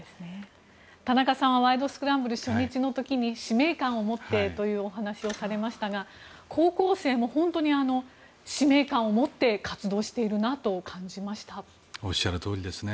田中さんは「ワイド！スクランブル」初日の時に使命感を持ってというお話をされましたが高校生も本当に使命感を持っておっしゃるとおりですね。